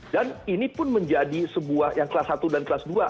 dan ini pun menjadi sebuah yang kelas satu dan kelas dua